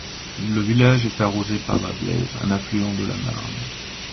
Le village est arrosé par la Blaise, un affluent de la Marne.